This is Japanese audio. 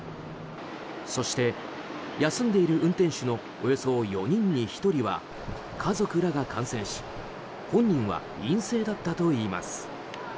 そして、休んでいる運転手のおよそ４人に１人は家族らが感染し本人は陰性だったといいます。